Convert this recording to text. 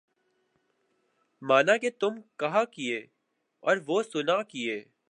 مانا کہ تم کہا کیے اور وہ سنا کیے